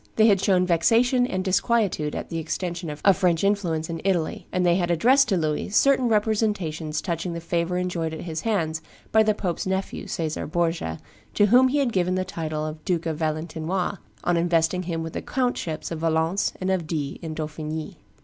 They had shown vexation and disquietude at the extension of French influence in Italy; and they had addressed to Louis certain representations touching the favor enjoyed at his hands by the pope's nephew, Caesar Borgia, to whom he had given the title of Duke of Valentinois on investing him with the countships of Valence and of Die in Dauphiny.